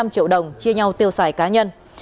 bốn mươi năm triệu đồng chia nhau tiêu xài cá nhân